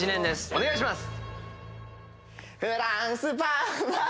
お願いします。